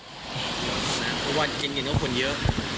เพราะว่ากินเย็นก็คนเยอะ